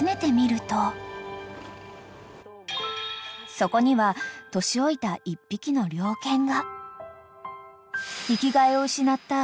［そこには年老いた１匹の猟犬が］